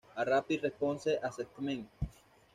A Rapid Response Assessment.".